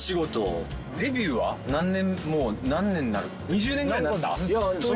２０年ぐらいになった？